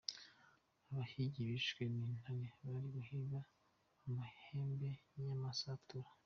Abahigi bishwe n’intare bari guhiga amahembe y’amasatura.